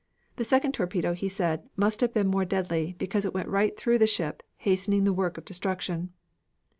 The second torpedo, he said, must have been more deadly, because it went right through the ship, hastening the work of destruction.